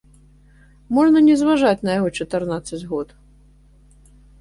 Можна не зважаць на яго чатырнаццаць год.